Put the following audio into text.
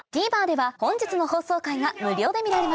ＴＶｅｒでは本日の放送回が無料で見られます